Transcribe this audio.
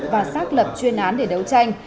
và xác lập chuyên án để đấu tranh